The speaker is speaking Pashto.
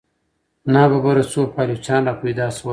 ناببره څو پایلوچان را پیدا شول.